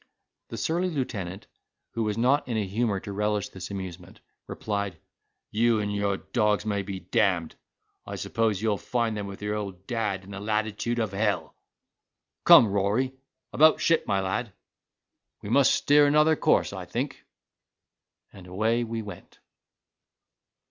The surly lieutenant, who was not in a humour to relish this amusement, replied, "You and your dogs may be damn'd. I suppose you'll find them with your old dad, in the latitude of hell. Come, Rory,—about ship, my lad, we must steer another course, I think." And away we went.